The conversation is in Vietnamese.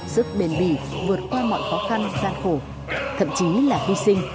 sức bền bỉ vượt qua mọi khó khăn gian khổ thậm chí là hy sinh